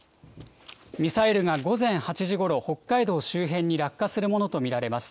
ミサイルが午前８時ごろ、北海道周辺に落下するものと見られます。